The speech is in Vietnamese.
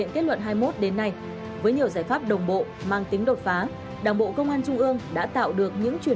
kỷ luật đi đổi với giáo dục nhờ đó được củng cố